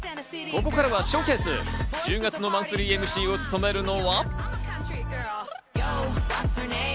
ここからはＳＨＯＷＣＡＳＥ、１０月のマンスリーＭＣを務めるのは。